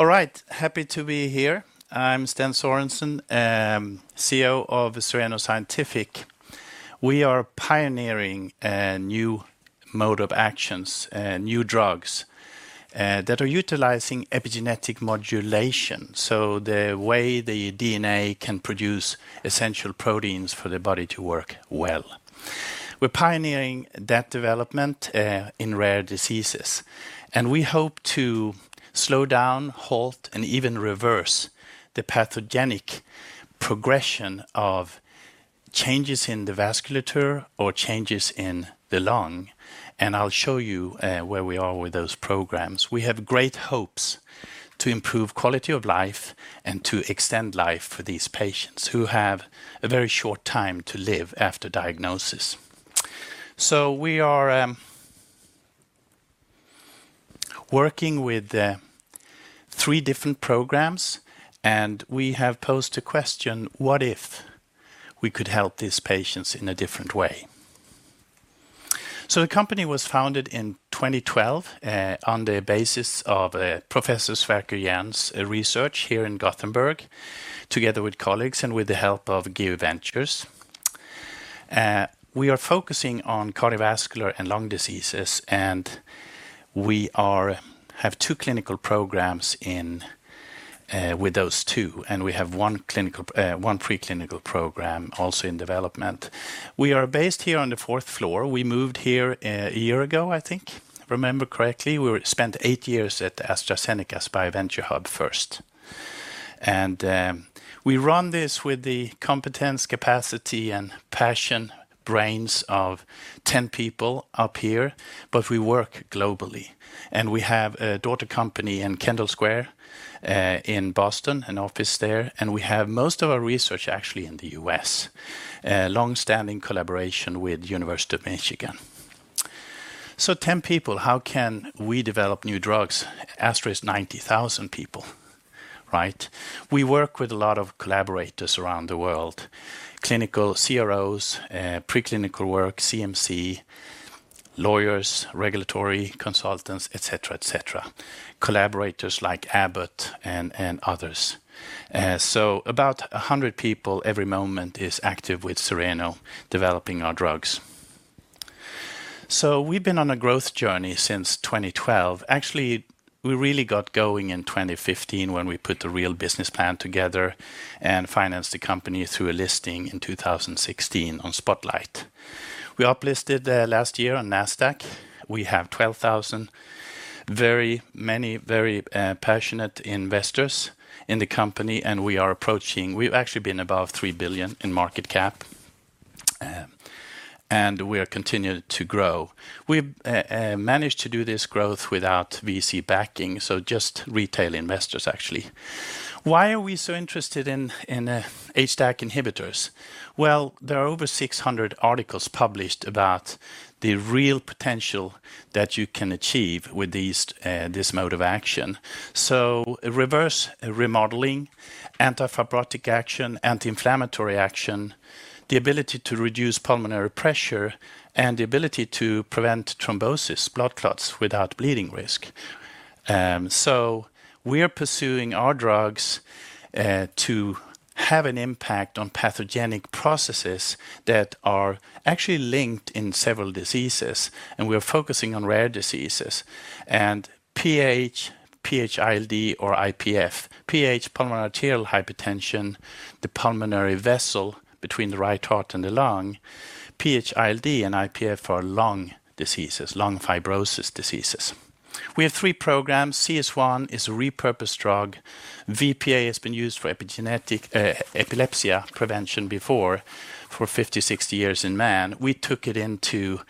All right, happy to be here. I'm Sten R. Sörensen, CEO of Cereno Scientific. We are pioneering a new mode of actions, new drugs that are utilizing epigenetic modulation, so the way the DNA can produce essential proteins for the body to work well. We're pioneering that development in rare diseases, and we hope to slow down, halt, and even reverse the pathogenic progression of changes in the vasculature or changes in the lung, and I'll show you where we are with those programs. We have great hopes to improve quality of life and to extend life for these patients who have a very short time to live after diagnosis, so we are working with three different programs, and we have posed the question, what if we could help these patients in a different way? So the company was founded in 2012 on the basis of Professor Sverker Jern's research here in Gothenburg, together with colleagues and with the help of GU Ventures. We are focusing on cardiovascular and lung diseases, and we have two clinical programs with those two, and we have one preclinical program also in development. We are based here on the fourth floor. We moved here a year ago, I think, if I remember correctly. We spent eight years at AstraZeneca's BioVenture Hub first. And we run this with the competence, capacity, and passionate brains of 10 people up here, but we work globally. And we have a daughter company in Kendall Square in Boston, an office there, and we have most of our research actually in the U.S., long-standing collaboration with the University of Michigan. So 10 people, how can we develop new drugs? Ask 90,000 people, right? We work with a lot of collaborators around the world, clinical CROs, preclinical work, CMC, lawyers, regulatory consultants, et cetera, et cetera, collaborators like Abbott and others. So about 100 people every moment is active with Cereno developing our drugs. So we've been on a growth journey since 2012. Actually, we really got going in 2015 when we put the real business plan together and financed the company through a listing in 2016 on Spotlight. We uplisted last year on NASDAQ. We have 12,000 very passionate investors in the company, and we are approaching. We've actually been above 3 billion in market cap, and we are continuing to grow. We managed to do this growth without VC backing, so just retail investors actually. Why are we so interested in HDAC inhibitors? There are over 600 articles published about the real potential that you can achieve with this mode of action. Reverse remodeling, anti-fibrotic action, anti-inflammatory action, the ability to reduce pulmonary pressure, and the ability to prevent thrombosis, blood clots without bleeding risk. We are pursuing our drugs to have an impact on pathogenic processes that are actually linked in several diseases, and we are focusing on rare diseases. PH, PH-ILD, or IPF. PH, pulmonary arterial hypertension, the pulmonary vessel between the right heart and the lung. PH-ILD and IPF are lung diseases, lung fibrosis diseases. We have three programs. CS1 is a repurposed drug. VPA has been used for epilepsy prevention before for 50, 60 years in man. We took it into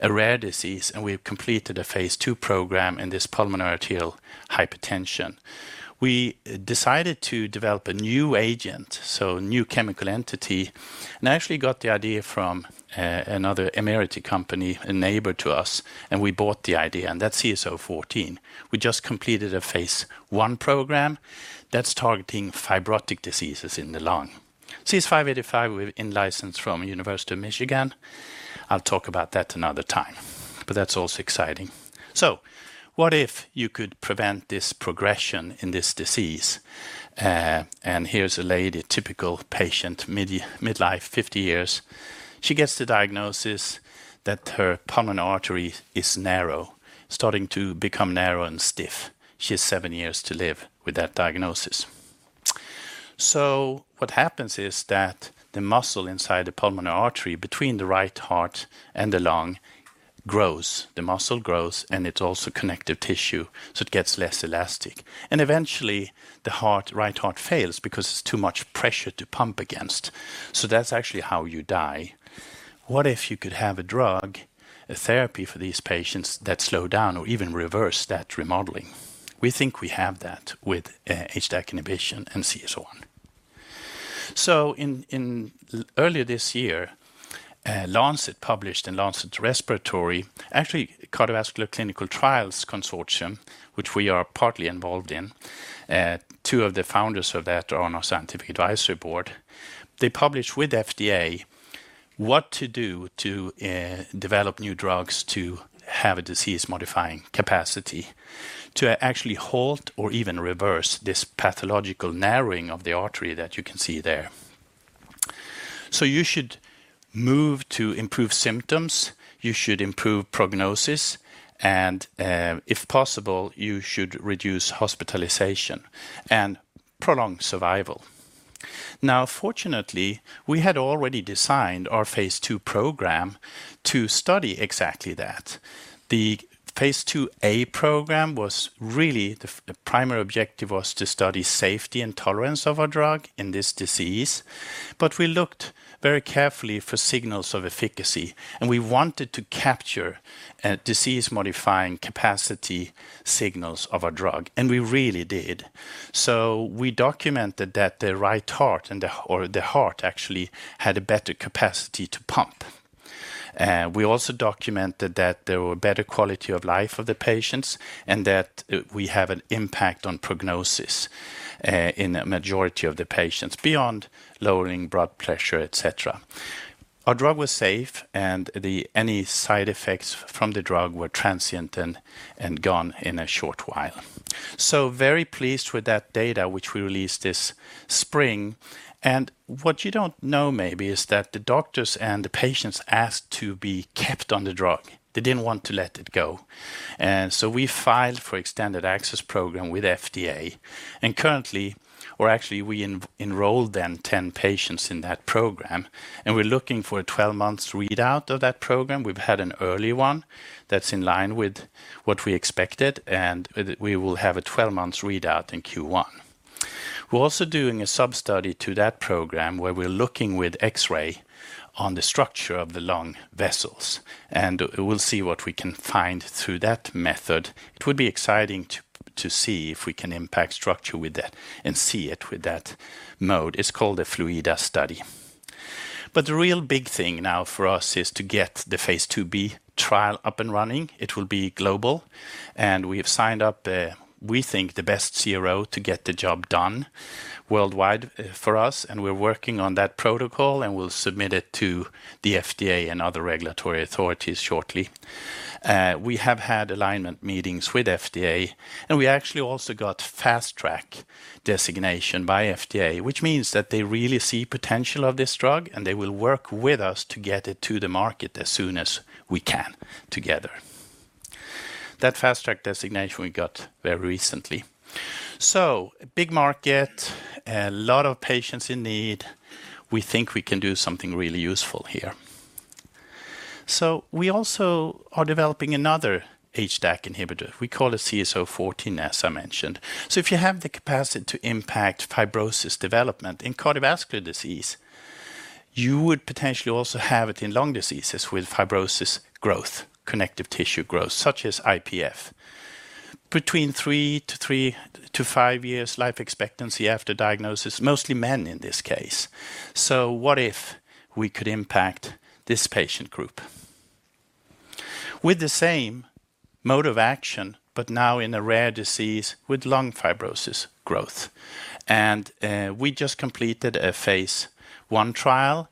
a rare disease, and we completed a Phase 2 program in this pulmonary arterial hypertension. We decided to develop a new agent, so a new chemical entity, and actually got the idea from another entity company, a neighbor to us, and we bought the idea, and that's CS014. We just completed a Phase 1 program that's targeting fibrotic diseases in the lung. CS585, we're in license from the University of Michigan. I'll talk about that another time, but that's also exciting. So what if you could prevent this progression in this disease? And here's a lady, typical patient, midlife, 50 years. She gets the diagnosis that her pulmonary artery is narrow, starting to become narrow and stiff. She has seven years to live with that diagnosis. So what happens is that the muscle inside the pulmonary artery between the right heart and the lung grows. The muscle grows, and it's also connective tissue, so it gets less elastic. Eventually, the right heart fails because it's too much pressure to pump against. That's actually how you die. What if you could have a drug, a therapy for these patients that slow down or even reverse that remodeling? We think we have that with HDAC inhibition and CS1. Earlier this year, Lancet published in Lancet Respiratory, actually Cardiovascular Clinical Trials Consortium, which we are partly involved in. Two of the founders of that are on our scientific advisory board. They published with FDA what to do to develop new drugs to have a disease-modifying capacity to actually halt or even reverse this pathological narrowing of the artery that you can see there. You should move to improve symptoms, you should improve prognosis, and if possible, you should reduce hospitalization and prolong survival. Now, fortunately, we had already designed our Phase 2 program to study exactly that. The Phase 2a program was really the primary objective was to study safety and tolerance of our drug in this disease, but we looked very carefully for signals of efficacy, and we wanted to capture disease-modifying capacity signals of our drug, and we really did, so we documented that the right heart and the heart actually had a better capacity to pump. We also documented that there were better quality of life of the patients and that we have an impact on prognosis in a majority of the patients beyond lowering blood pressure, et cetera. Our drug was safe, and any side effects from the drug were transient and gone in a short while, so very pleased with that data, which we released this spring, and what you don't know maybe is that the doctors and the patients asked to be kept on the drug. They didn't want to let it go, and so we filed for extended access program with FDA, and currently, or actually, we enrolled then 10 patients in that program, and we're looking for a 12-month readout of that program. We've had an early one that's in line with what we expected, and we will have a 12-month readout in Q1. We're also doing a sub-study to that program where we're looking with X-ray on the structure of the lung vessels, and we'll see what we can find through that method. It would be exciting to see if we can impact structure with that and see it with that mode. It's called a Fluidda study, but the real big thing now for us is to get the Phase 2b trial up and running. It will be global, and we have signed up, we think, the best CRO to get the job done worldwide for us, and we're working on that protocol, and we'll submit it to the FDA and other regulatory authorities shortly. We have had alignment meetings with FDA, and we actually also got Fast Track designation by FDA, which means that they really see potential of this drug, and they will work with us to get it to the market as soon as we can together. That Fast Track designation we got very recently. So big market, a lot of patients in need. We think we can do something really useful here. So we also are developing another HDAC inhibitor. We call it CS014, as I mentioned. So if you have the capacity to impact fibrosis development in cardiovascular disease, you would potentially also have it in lung diseases with fibrosis growth, connective tissue growth, such as IPF. Between three to five years life expectancy after diagnosis, mostly men in this case. So what if we could impact this patient group with the same mode of action, but now in a rare disease with lung fibrosis growth? And we just completed a Phase 1 trial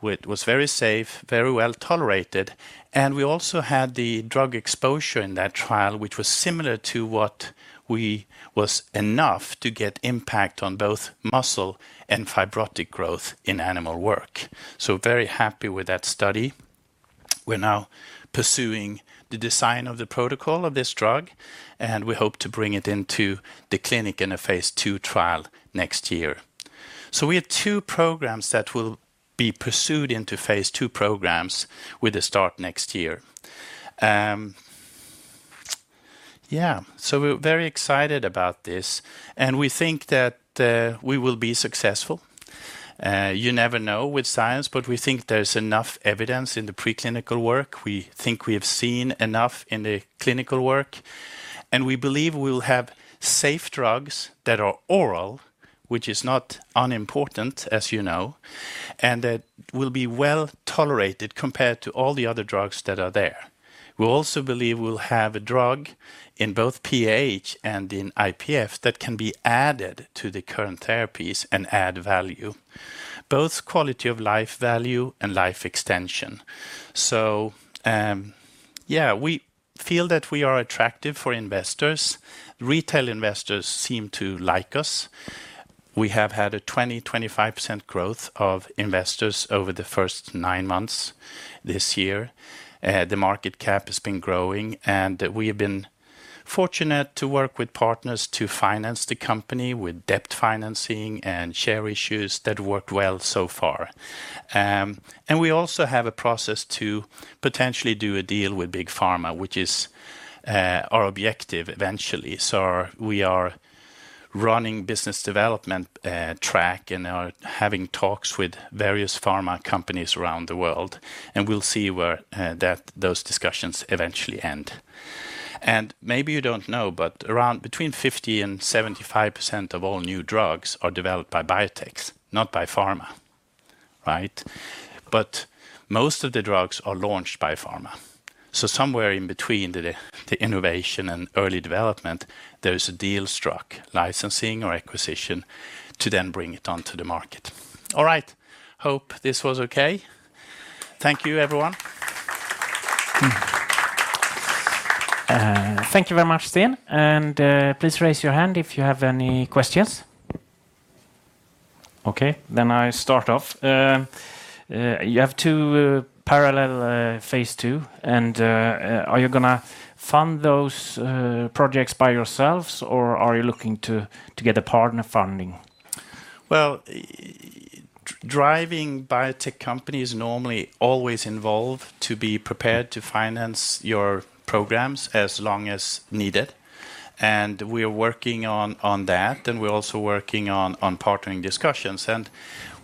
which was very safe, very well tolerated, and we also had the drug exposure in that trial, which was similar to what we saw was enough to get impact on both muscle and fibrotic growth in animal work. So very happy with that study. We're now pursuing the design of the protocol of this drug, and we hope to bring it into the clinic in a Phase 2 trial next year. So we have two programs that will be pursued into Phase 2 programs with a start next year. Yeah, so we're very excited about this, and we think that we will be successful. You never know with science, but we think there's enough evidence in the preclinical work. We think we have seen enough in the clinical work, and we believe we will have safe drugs that are oral, which is not unimportant, as you know, and that will be well tolerated compared to all the other drugs that are there. We also believe we'll have a drug in both PH and in IPF that can be added to the current therapies and add value, both quality of life value and life extension. So yeah, we feel that we are attractive for investors. Retail investors seem to like us. We have had a 20%-25% growth of investors over the first nine months this year. The market cap has been growing, and we have been fortunate to work with partners to finance the company with debt financing and share issues that worked well so far. And we also have a process to potentially do a deal with big pharma, which is our objective eventually. So we are running business development track and are having talks with various pharma companies around the world, and we'll see where those discussions eventually end. And maybe you don't know, but around between 50% and 75% of all new drugs are developed by biotechs, not by pharma, right? But most of the drugs are launched by pharma. So somewhere in between the innovation and early development, there's a deal struck, licensing or acquisition to then bring it onto the market. All right, hope this was okay. Thank you, everyone. Thank you very much, Sten, and please raise your hand if you have any questions. Okay, then I start off. You have two parallel Phase 2, and are you going to fund those projects by yourselves, or are you looking to get a partner funding? Driving biotech companies normally always involve to be prepared to finance your programs as long as needed, and we are working on that, and we're also working on partnering discussions, and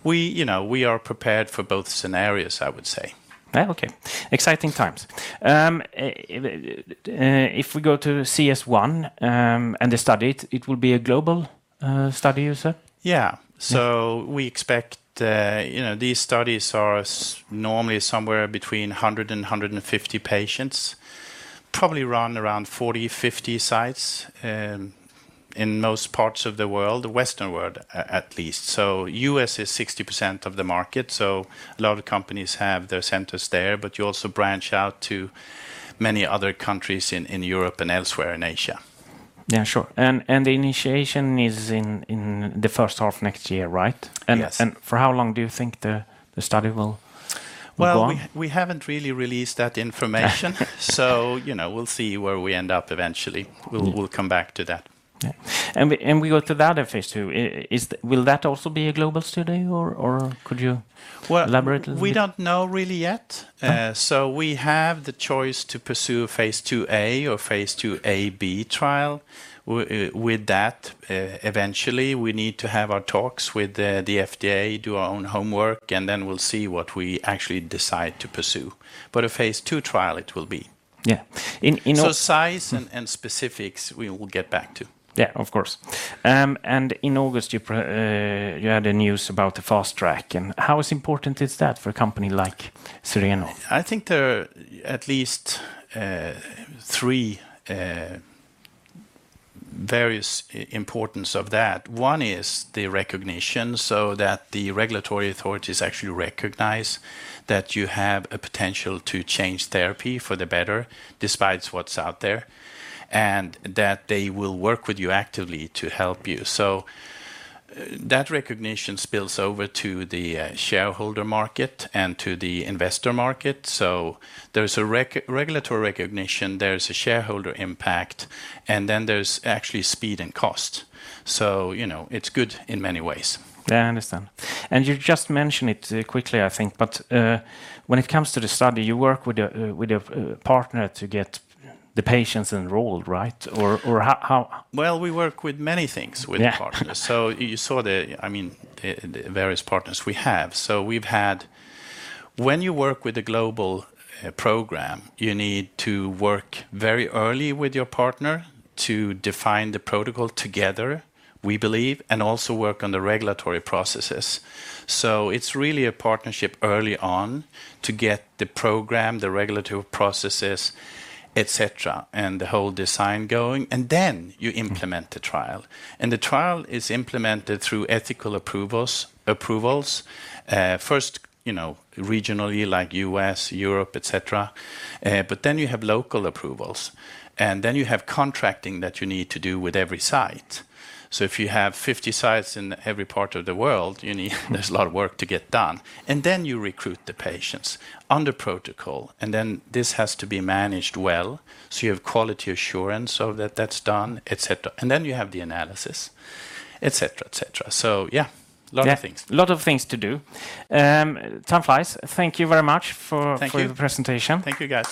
we are prepared for both scenarios, I would say. Okay, exciting times. If we go to CS1 and the study, it will be a global study, you said? Yeah, so we expect these studies are normally somewhere between 100 and 150 patients, probably run around 40-50 sites in most parts of the world, the Western world at least. So U.S. is 60% of the market, so a lot of companies have their centers there, but you also branch out to many other countries in Europe and elsewhere in Asia. Yeah, sure. And the initiation is in the first half of next year, right? Yes. For how long do you think the study will go on? Well, we haven't really released that information, so we'll see where we end up eventually. We'll come back to that. We go to the other Phase 2. Will that also be a global study, or could you elaborate a little bit? We don't know really yet. So we have the choice to pursue phase 2a or Phase 2b trial with that eventually. We need to have our talks with the FDA, do our own homework, and then we'll see what we actually decide to pursue. But a Phase 2 trial it will be. Yeah. Size and specifics, we will get back to. Yeah, of course. And in August, you had the news about the fast track, and how important is that for a company like Cereno? I think there are at least three various importance of that. One is the recognition so that the regulatory authorities actually recognize that you have a potential to change therapy for the better despite what's out there, and that they will work with you actively to help you. So that recognition spills over to the shareholder market and to the investor market. So there's a regulatory recognition, there's a shareholder impact, and then there's actually speed and cost. So it's good in many ways. Yeah, I understand. And you just mentioned it quickly, I think, but when it comes to the study, you work with a partner to get the patients enrolled, right? Or how? We work with many things with the partners. You saw the, I mean, the various partners we have. We've had, when you work with a global program, you need to work very early with your partner to define the protocol together, we believe, and also work on the regulatory processes. It's really a partnership early on to get the program, the regulatory processes, et cetera, and the whole design going, and then you implement the trial. The trial is implemented through ethical approvals, first regionally like U.S., Europe, et cetera, but then you have local approvals, and then you have contracting that you need to do with every site. So if you have 50 sites in every part of the world, there's a lot of work to get done, and then you recruit the patients under protocol, and then this has to be managed well so you have quality assurance of that that's done, et cetera, and then you have the analysis, et cetera, et cetera. So yeah, a lot of things. Yeah, a lot of things to do. Time flies. Thank you very much for the presentation. Thank you.